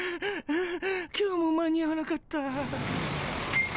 今日も間に合わなかった。